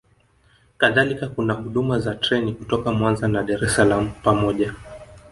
kadhalika kuna huduma za treni kutoka Mwanza na Dar es Salaam pamoja